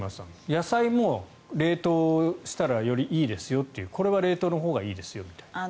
野菜も冷凍したらよりいいですよという、これは冷凍のほうがいいですよという。